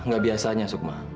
nggak biasanya sokma